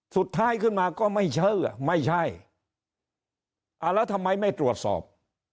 สุดท้ายขึ้นมาก็ไม่เชื่อไม่ใช่อ่าแล้วทำไมไม่ตรวจสอบ